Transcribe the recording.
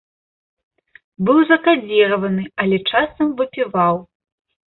Быў закадзіраваны, але часам выпіваў.